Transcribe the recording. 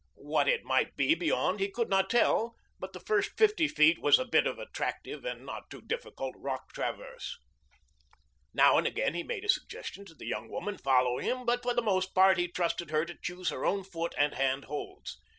What it might be beyond he could not tell, but the first fifty feet was a bit of attractive and not too difficult rock traverse. Now and again he made a suggestion to the young woman following him, but for the most part he trusted her to choose her own foot and hand holds.